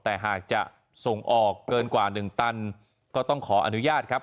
แต่หากจะส่งออกเกินกว่า๑ตันก็ต้องขออนุญาตครับ